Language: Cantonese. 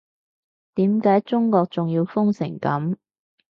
點解中國仲要封成噉